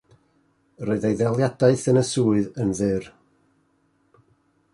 Roedd ei ddaliadaeth yn y swydd yn fyr.